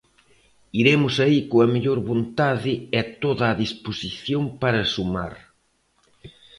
Iremos aí coa mellor vontade e toda a disposición para sumar.